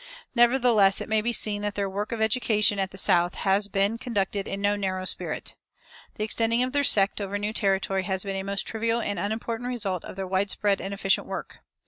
Nevertheless it may be seen that their work of education at the South has been conducted in no narrow spirit. The extending of their sect over new territory has been a most trivial and unimportant result of their widespread and efficient work.